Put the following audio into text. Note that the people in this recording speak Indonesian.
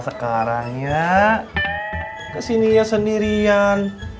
sekarangnya kesininya sendirian